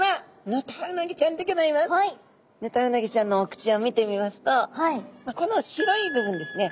ヌタウナギちゃんのお口を見てみますとこの白い部分ですね。